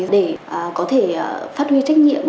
để có thể phát huy trách nhiệm